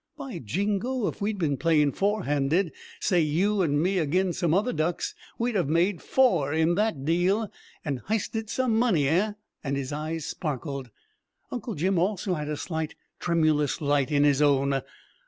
"By jingo! If we'd been playin' fourhanded, say you an' me agin some other ducks, we'd have made 'four' in that deal, and h'isted some money eh?" and his eyes sparkled. Uncle Jim, also, had a slight tremulous light in his own.